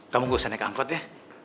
kamu gue seneng angkat ya